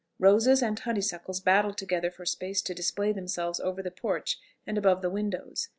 Roses and honeysuckles battled together for space to display themselves over the porch, and above the windows.